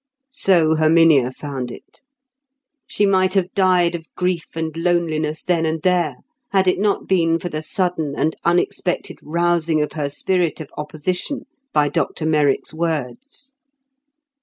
So Herminia found it. She might have died of grief and loneliness then and there, had it not been for the sudden and unexpected rousing of her spirit of opposition by Dr Merrick's words.